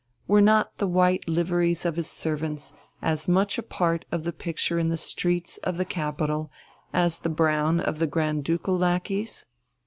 Were not the white liveries of his servants as much a part of the picture in the streets of the capital as the brown of the Grand Ducal lackeys?